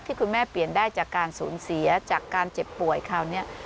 คุณแม่เปลี่ยนได้จากการสูญเสียจากการเจ็บป่วยคราวนี้